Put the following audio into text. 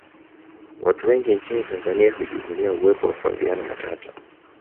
watu wengi nchini tanzania hujivunia uwepo wa flaviana matata